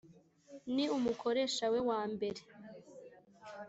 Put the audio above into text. ni umukoresha we wa mbere